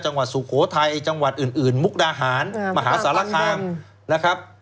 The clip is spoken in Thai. จังหวัดสุโขทัยจังหวัดอื่นอื่นมุกราหารอ่ามหาสารคามนะครับ